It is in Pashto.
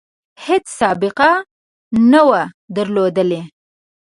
هیڅ سابقه نه وه درلودلې.